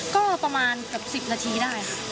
ก็ประมาณกับ๑๐นาทีได้